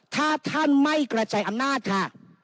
ถ้าท่านไม่กระจายอำนาจค่ะ